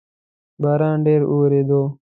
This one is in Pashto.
باران ډیر اوورېدو